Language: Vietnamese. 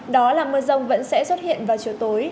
đó là mưa rông vẫn sẽ xuất hiện vào chiều tối